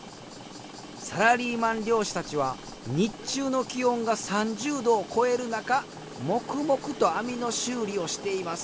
サラリーマン漁師たちは日中の気温が３０度を超える中黙々と網の修理をしています。